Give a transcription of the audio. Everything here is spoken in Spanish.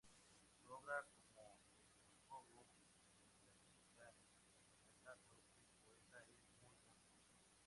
Su obra como pedagogo, ensayista, literato y poeta es muy amplia.